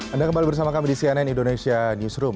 anda kembali bersama kami di cnn indonesia newsroom